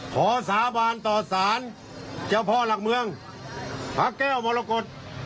ขอสาบานต่อสารเจ้าพ่อหลักเมืองพระแก้วมรกฏ